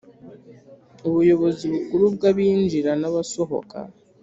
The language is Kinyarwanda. Ubuyobozi Bukuru bw Abinjira n’abasohoka